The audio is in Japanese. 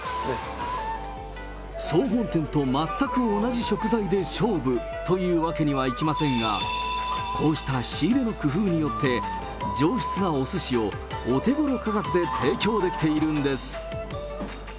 総本店と全く同じ食材で勝負というわけにはいきませんが、こうした仕入れの工夫によって、上質なおすしを、お手ごろ価格で提供できているんです。